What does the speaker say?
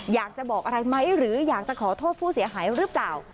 อยากจะบอกอะไรไหมหรืออยากจะขอโทษผู้เสียหายหรือเปล่า